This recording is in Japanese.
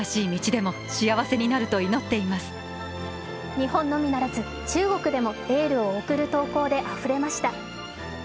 日本のみならず中国でもエールを送る投稿であふれました。